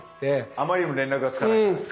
あまりにも連絡がつかないから。